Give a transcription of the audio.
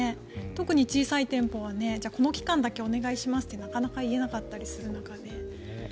特に小さい店舗はこの期間だけお願いしますってなかなか言えなかったりするので。